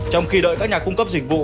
trong khi đợi các nhà cung cấp dịch vụ